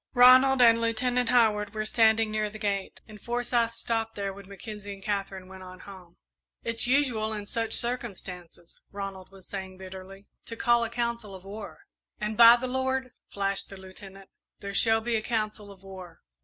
Ronald and Lieutenant Howard were standing near the gate, and Forsyth stopped there when Mackenzie and Katherine went on home. "It's usual in such circumstances," Ronald was saying, bitterly, "to call a council of war." "And by the Lord," flashed the Lieutenant, "there shall be a council of war!